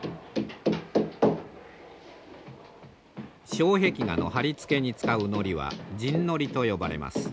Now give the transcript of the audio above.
障壁画の貼り付けに使う糊は沈糊と呼ばれます。